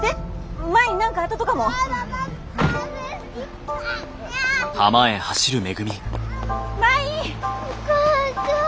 お母ちゃん。